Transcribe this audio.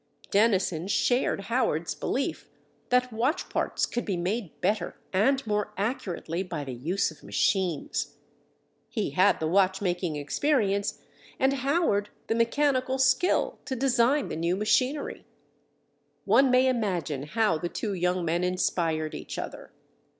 Dennison shared Howard's belief that watch parts could be made better and more accurately by the use of machines. He had the watch making experience and Howard the mechanical skill to design the new machinery. One may imagine how the two young men inspired each other.